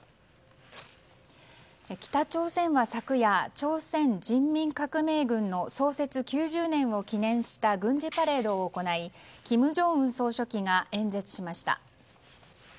北朝鮮は昨夜、朝鮮人民革命軍の創設９０年を記念した軍事パレードを行い金正恩総書記が演説しました。